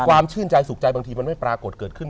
ความชื่นใจสุขใจบางทีมันไม่ปรากฏเกิดขึ้น